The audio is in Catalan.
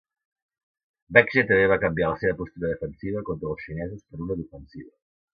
Baekje també va canviar la seva postura defensiva contra els xinesos per una d'ofensiva.